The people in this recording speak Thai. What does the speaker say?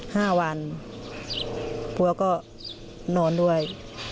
ห้าวันผัวก็นอนด้วย